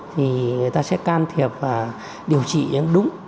thì người ta sẽ can thiệp và điều trị đúng